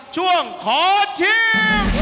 ช่วงขอชิม